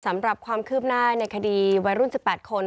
สำหรับความคืบหน้าในคดีวัยรุ่น๑๘คน